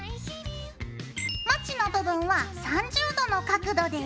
まちの部分は３０度の角度です。